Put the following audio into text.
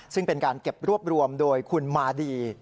ซึ่งเป็นการเก็บรวบรวมโดยคุณมาดี